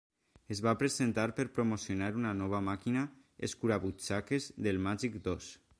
Es va presentar per promocionar una nova màquina escurabutxaques del Màgic d"Oz.